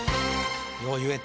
よう言えた。